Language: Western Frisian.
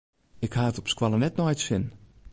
Ik ha it op skoalle net nei it sin.